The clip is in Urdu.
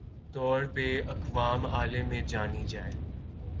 طور پہ اقوام عالم میں جانی جائیں